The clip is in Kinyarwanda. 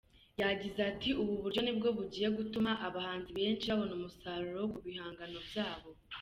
Yagize ati “Ubu buryo nibwo bugiye gutuma abahanzi benshi babona umusaruro ku bihangano byabo.